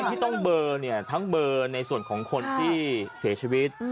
ที่ต้องเบอร์เนี่ยทั้งเบอร์ในส่วนของคนที่เสียชีวิต